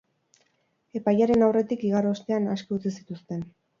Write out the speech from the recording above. Epailearen aurretik igaro ostean aske utzi zituzten.